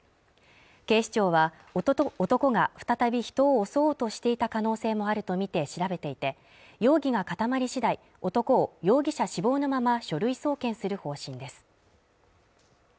警視庁は男が再び人を襲おうとしていた可能性もあるとみて調べていて容疑が固まり次第男を容疑者死亡のまま書類送検する方針です